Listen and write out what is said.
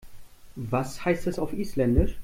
Was heißt das auf Isländisch?